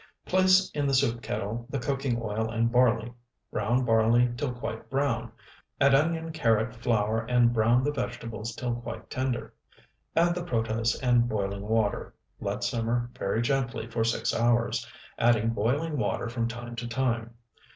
Place in the soup kettle the cooking oil and barley; brown barley till quite brown; add onion, carrot, flour, and brown the vegetables till quite tender; add the protose and boiling water; let simmer very gently for six hours, adding boiling water from time to time.